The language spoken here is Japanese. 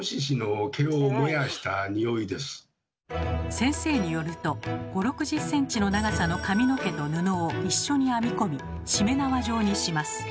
先生によると５０６０ｃｍの長さの髪の毛と布を一緒に編み込みしめ縄状にします。